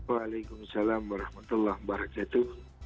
waalaikumsalam warahmatullahi wabarakatuh